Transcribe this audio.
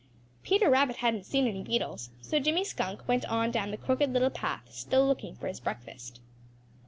Peter Rabbit hadn't seen any beetles, so Jimmy Skunk went on down the Crooked Little Path, still looking for his breakfast.